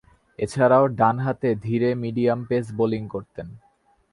এছাড়াও, ডানহাতে ধীরে মিডিয়াম পেস বোলিং করতেন।